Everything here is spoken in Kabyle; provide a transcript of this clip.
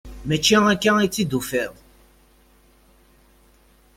Mačči akka i tt-id-tufiḍ?